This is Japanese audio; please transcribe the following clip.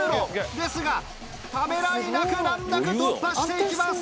ですがためらいなく難なく突破して行きます。